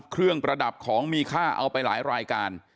ประดับของมีค่าเอาไปหลายรายการ